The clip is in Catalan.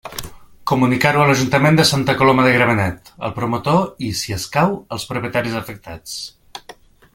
Comunicar-ho a l'Ajuntament de Santa Coloma de Gramenet, al promotor i, si escau, als propietaris afectats.